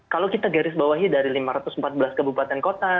kalau kita garis bawahi dari lima ratus empat belas kabupaten kota